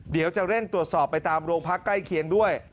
เดี๋ยวจะเร่งตรวจสอบไปตามโรงพักใกล้เคียงด้วย